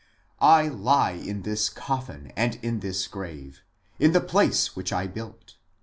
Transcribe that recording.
. I lie in this coffin and in this grave, in the place which I built.